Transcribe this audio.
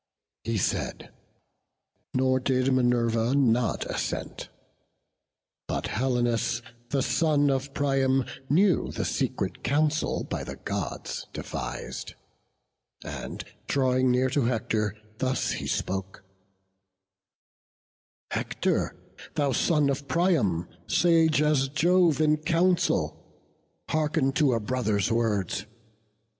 He said; nor did Minerva not assent; But Helenus, the son of Priam, knew The secret counsel by the Gods devis'd; And drawing near to Hector, thus he spoke: "Hector, thou son of Priam, sage as Jove In council, hearken to a brother's words.